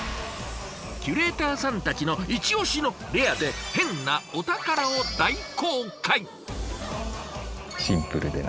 キュレーターさんたちのイチオシのレアでヘンなお宝を大公開！